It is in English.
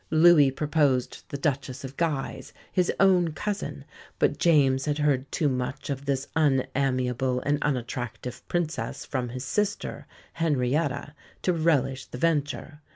Louis proposed the Duchess of Guise, his own cousin; but James had heard too much of this unamiable and unattractive Princess from his sister, Henrietta, to relish the venture.